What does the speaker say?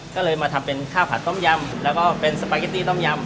ก็เลยมาทำเป็นข้าวผัดต้มยำแล้วก็เป็นสปาเกตตี้ต้มยำ